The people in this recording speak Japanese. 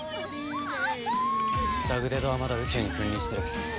ダグデドはまだ宇宙に君臨してる。